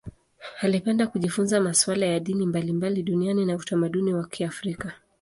Alipenda kujifunza masuala ya dini mbalimbali duniani na utamaduni wa Kiafrika.